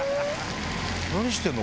何してんの？